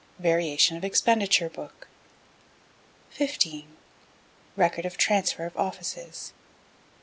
Variation of Expenditure Book. 15. Record of transfer of offices.